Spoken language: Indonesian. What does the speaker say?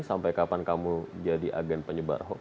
sampai kapan kamu jadi agen penyebar hoax